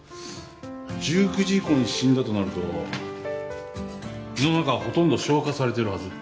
１９時以降に死んだとなると胃の中はほとんど消化されてるはず。